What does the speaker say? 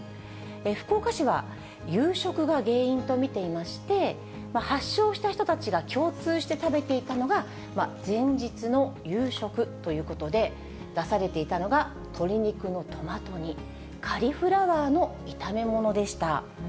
福岡市は、夕食が原因と見ていまして、発症した人たちが共通して食べていたのが、前日の夕食ということで、出されていたのが、鶏肉のトマト煮、カリフラワーの炒め物でした。